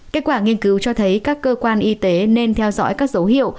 kết quả nghiên cứu cho thấy các cơ quan y tế nên theo dõi các dấu hiệu